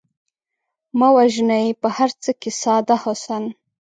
مه وژنئ په هر څه کې ساده حسن